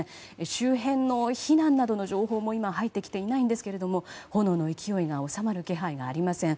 周辺の避難などの情報も今、入ってきていないんですけれども炎の勢いが収まる気配がありません。